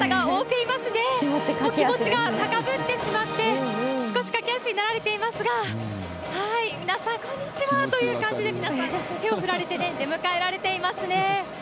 気持ちが高ぶってしまって、少し駆け足になられていますが、皆さん、こんにちはという感じで、皆さん手を振られてね、出迎えられていますね。